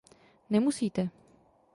Nemusíte.